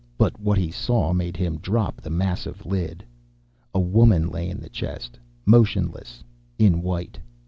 But what he saw made him drop the massive lid. A woman lay in the chest motionless, in white.